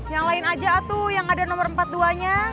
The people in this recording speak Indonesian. yang lain aja atu yang ada nomor empat puluh dua nya